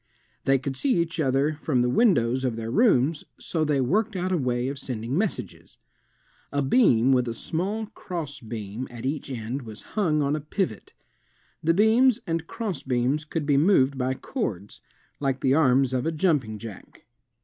They could see each other from the windows of their rooms so they worked out a way of sending messages. A beam with a small crossbeam at each end was himg on a pivot. The beams and crossbeams could be moved by cords, like the arms of a jumping jack.